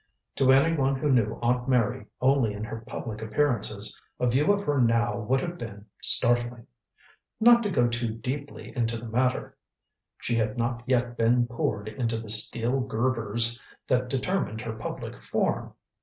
To any one who knew Aunt Mary only in her public appearances, a view of her now would have been startling. Not to go too deeply into the matter, she had not yet been poured into the steel girders that determined her public form.